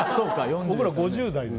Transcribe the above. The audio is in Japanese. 僕ら５０代。